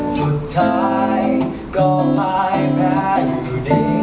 สุดท้ายก็พายแพ้อยู่ได้